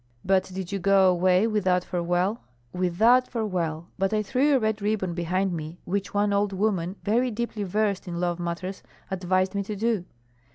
"But did you go away without farewell?" "Without farewell; but I threw a red ribbon behind me, which one old woman, very deeply versed in love matters, advised me to do."